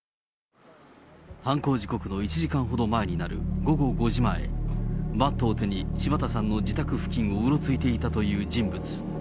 犯行時刻の１時間ほど前になる午後５時前、バットを手に、柴田さんの自宅付近をうろついていたという人物。